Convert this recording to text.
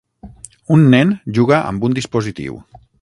Un nen juga amb un dispositiu.